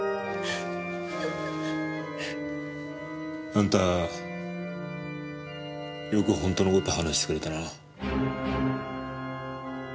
あんたよく本当の事を話してくれたな。